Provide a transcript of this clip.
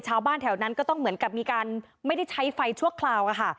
ชาวบ้านแถวนั้นก็ต้องเหมือนกับมีการไม่ได้ใช้ไฟชั่วคราว